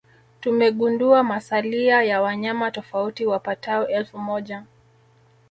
Tumegundua masalia ya wanyama tofauti wapatao elfu moja